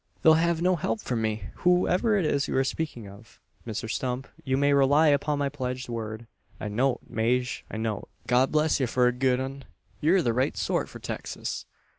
"They'll have no help from me whoever it is you are speaking of. Mr Stump, you may rely upon my pledged word." "I know't, Maje, I know't. God bless ye for a good 'un. Yer the right sort for Texas!"